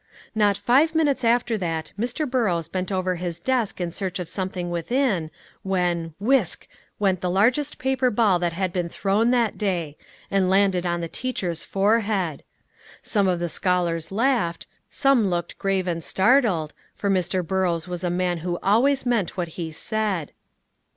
Not five minutes after that Mr. Burrows bent over his desk in search of something within, when whisk! went the largest paper ball that had been thrown that day, and landed on the teacher's forehead. Some of the scholars laughed, some looked grave and startled, for Mr. Burrows was a man who always meant what he said.